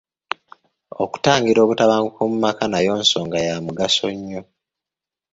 Okutangira obutabanguko mu maka nayo nsonga ya mugaso nnyo.